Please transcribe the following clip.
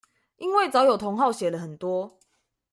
因為早有同好寫了很多